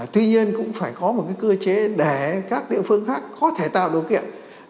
tuy nhiên cũng phải có một cơ chế để các địa phương khác có thể tạo điều kiện